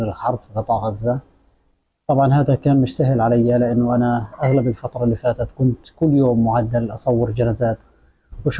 jadi di dalam keadaan keadaan ini saya berada di dalam keadaan yang saya lakukan di hospital atau di jalan jalan